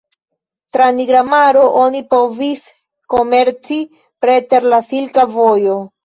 Tra Nigra Maro, oni povis komerci preter la Silka Vojo.